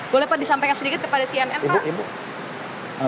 boleh pak disampaikan sedikit kepada cnn pak